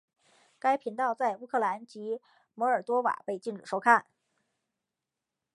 该频道在乌克兰及摩尔多瓦被禁止收看。